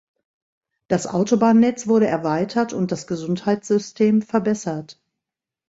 Das Autobahnnetz wurde erweitert und das Gesundheitssystem verbessert.